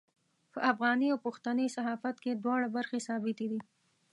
په افغاني او پښتني صحافت کې دواړه برخې ثابتې دي.